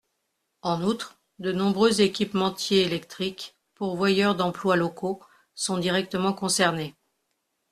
En outre, de nombreux équipementiers électriques, pourvoyeurs d’emplois locaux, sont directement concernés.